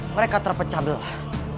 mereka terpecah belah